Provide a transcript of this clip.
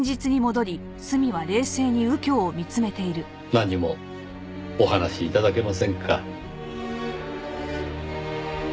何もお話し頂けませんか。